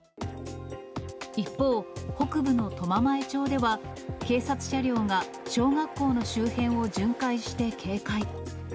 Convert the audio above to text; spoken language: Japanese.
一方、北部の苫前町では、警察車両が小学校の周辺を巡回して警戒。